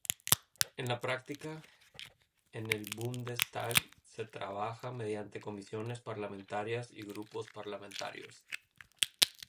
En la práctica, en el Bundestag se trabaja mediante comisiones parlamentarias y grupos parlamentarios.